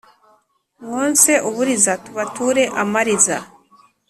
Mwonse uburiza tubature amariza